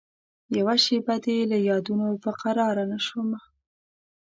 یوه شېبه دي له یادونوپه قرارنه شومه